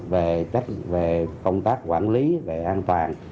về công tác quản lý về an toàn